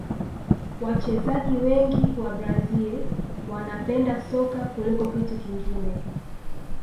wachezaji wengi wa brazil wanapenda soka kuliko kitu kingine